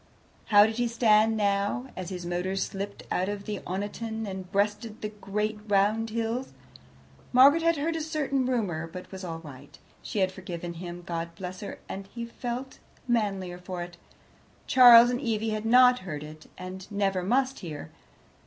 How did he stand now, as his motor slipped out of Oniton and breasted the great round hills? Margaret had heard a certain rumour, but was all right. She had forgiven him, God bless her, and he felt the manlier for it. Charles and Evie had not heard it, and never must hear.